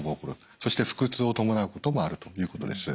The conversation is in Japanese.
そして腹痛を伴うこともあるということです。